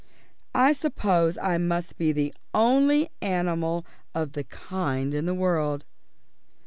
"I suppose I must be the only animal of the kind in the world."